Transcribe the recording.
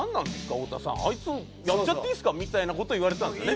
太田さん」「あいつやっちゃっていいですか」みたいな事言われてたんですよね。